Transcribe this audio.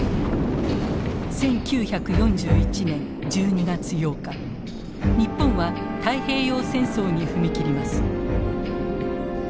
１９４１年１２月８日日本は太平洋戦争に踏み切ります。